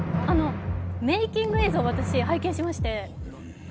メーキング映像私、拝見しまして。